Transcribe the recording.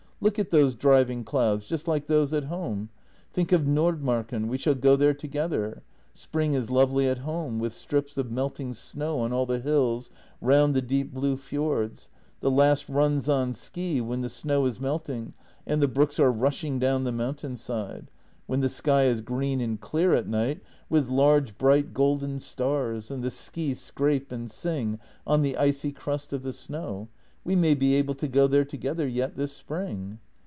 Look at those driving clouds — just like those at home. Think of Nordmarken. We shall go there together. Spring is lovely at home, with strips of melting snow on all the hills round the deep blue fjords, the last runs on ski when the snow is melting and the brooks are rushing down the mountain side; when the sky is green and clear at night with large, bright JENNY 117 golden stars, and the ski scrape and sing on the icy crust of the snow. We may be able to go there together yet this spring."